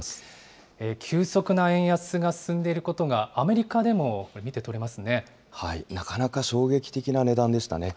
急速な円安が進んでいることなかなか衝撃的な値段でしたね。